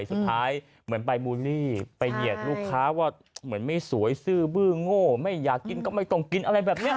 สุดท้ายเหมือนไปบูลลี่ไปเหยียดลูกค้าว่าเหมือนไม่สวยซื้อบื้อโง่ไม่อยากกินก็ไม่ต้องกินอะไรแบบนี้